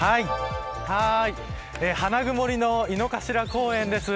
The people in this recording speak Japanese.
花曇りの井の頭公園です。